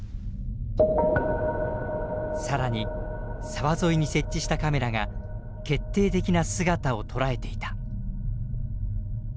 更に沢沿いに設置したカメラが決定的な姿を捉えていた。